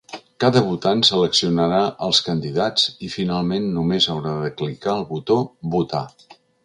Cada votant seleccionarà els candidats i finalment només haurà de clicar el botó “votar”.